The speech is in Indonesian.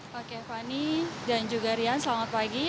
pak kevani dan juga rian selamat pagi